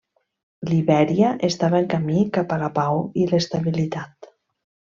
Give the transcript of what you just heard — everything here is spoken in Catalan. Libèria estava en camí cap a la pau i l'estabilitat.